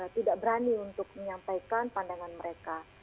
tidak berani untuk menyampaikan pandangan mereka